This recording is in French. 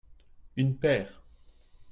une paire.